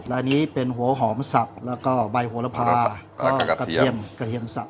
แล้วอันนี้เป็นหัวหอมสับแล้วก็ใบหัวละพากระเทียมสับ